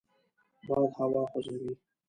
باد هوا خوځوي